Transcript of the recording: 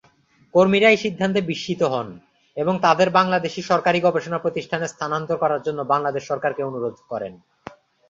কর্মীরা এই সিদ্ধান্তে বিস্মিত হন এবং তাদের বাংলাদেশী সরকারি গবেষণা প্রতিষ্ঠানে স্থানান্তর করার জন্য বাংলাদেশ সরকারকে অনুরোধ করেন।